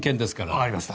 分かりました。